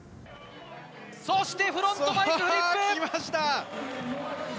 そしてフロントバイクフリッきました。